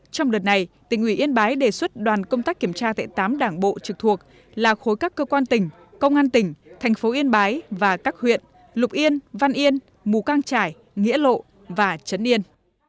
trong đợt này tỉnh ủy yên bái đề xuất đoàn công tác kiểm tra tại tám đảng bộ trực thuộc là khối các cơ quan tỉnh công an tỉnh thành phố yên bái và các huyện lục yên văn yên mù cang trải nghĩa lộ và trấn yên